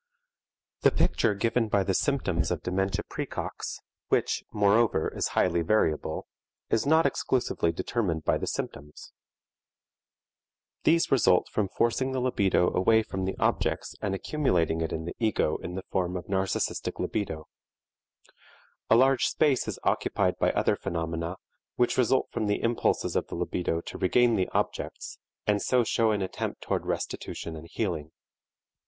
The picture given by the symptoms of dementia praecox, which, moreover, is highly variable, is not exclusively determined by the symptoms. These result from forcing the libido away from the objects and accumulating it in the ego in the form of narcistic libido. A large space is occupied by other phenomena, which result from the impulses of the libido to regain the objects, and so show an attempt toward restitution and healing.